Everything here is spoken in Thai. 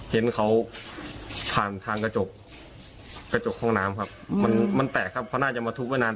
เห็นเขาผ่านทางกระจกกระจกห้องน้ำครับมันมันแตกครับเขาน่าจะมาทุบไว้นาน